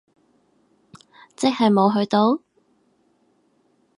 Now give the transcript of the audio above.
即係冇去到？